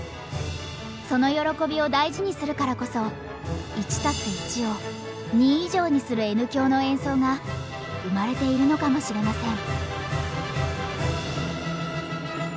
その喜びを大事にするからこそ１＋１を２以上にするＮ響の演奏が生まれているのかもしれません。